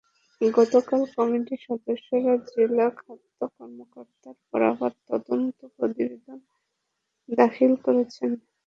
গতকাল কমিটির সদস্যরা জেলা খাদ্য কর্মকর্তার বরাবর তদন্ত প্রতিবেদন দাখিল করেছেন।